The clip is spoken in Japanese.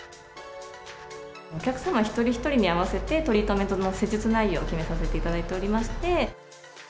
お客様一人一人に合わせて、トリートメントの施術内容を決めさせていただいておりまして。